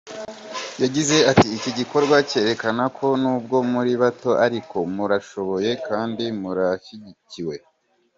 Yagize ati “Iki gikorwa kirerekana ko nubwo muri bato ariko murashoboye kandi murashyigikiwe.